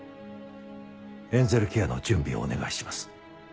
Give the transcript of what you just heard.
エンゼルケアの準備をお願いします。